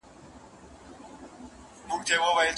له پسونو تر هوسیو تر غوایانو